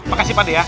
makasih pak d ya